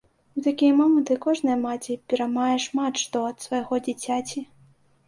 У такія моманты кожная маці пераймае шмат што ад свайго дзіцяці.